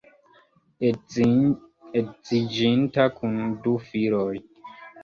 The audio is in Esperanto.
Edziĝinta kun du filoj.